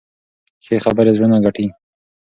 ښې خبرې زړونه ګټي.